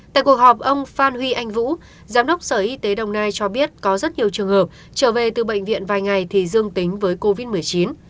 tại cuộc họp ông phan huy anh vũ giám đốc sở y tế đồng nai cho biết có rất nhiều trường hợp trở về từ bệnh viện vài ngày thì dương tính với covid một mươi chín